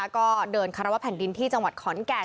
ก็เดินคารวะแผ่นดินที่จังหวัดขอนแก่น